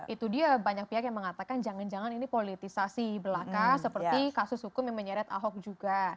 itu dia banyak pihak yang mengatakan jangan jangan ini politisasi belaka seperti kasus hukum yang menyeret ahok juga